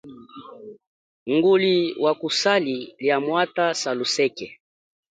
Nguli wa kusali lia mwatha saluseke.